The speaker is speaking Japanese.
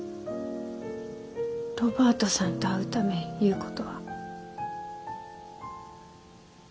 ロバートさんと会うためいうことは？